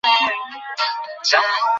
এই বিশাল বাহিনী মুসলমানদের অদূরে ছাউনী ফেলল।